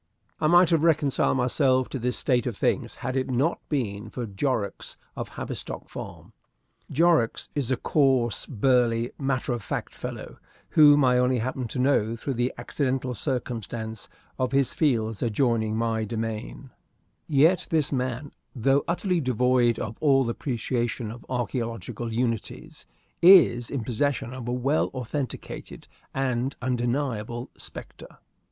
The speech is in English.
I might have reconciled myself to this state of things had it not been for Jorrocks, of Havistock Farm. Jorrocks is a coarse, burly, matter of fact fellow whom I only happen to know through the accidental circumstance of his fields adjoining my demesne. Yet this man, though utterly devoid of all appreciation of archæological unities, is in possession of a well authenticated and undeniable spectre.